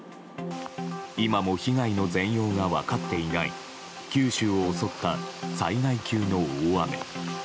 今も被害の全容が分かっていない九州を襲った、災害級の大雨。